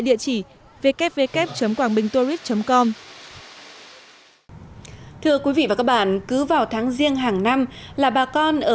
địa chỉ www quangbintourist com thưa quý vị và các bạn cứ vào tháng riêng hàng năm là bà con ở